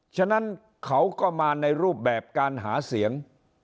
ฉะนั้นเขาก็มาในรูปแบบการหาเสียง